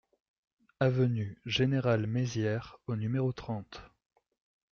Avenue Général Maizière au numéro trente